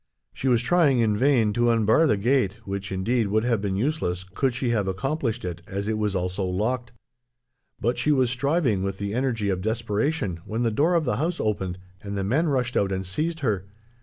She was trying, in vain, to unbar the gate, which, indeed, would have been useless could she have accomplished it, as it was also locked. But she was striving, with the energy of desperation, when the door of the house opened, and the men rushed out and seized her.